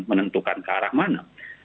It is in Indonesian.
dientukan ke arah mana